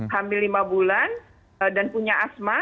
hamil lima bulan dan punya asma